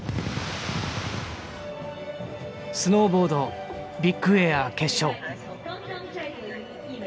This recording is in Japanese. スノーボードビッグエア決勝。